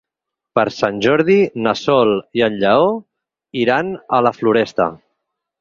Per Sant Jordi na Sol i en Lleó iran a la Floresta.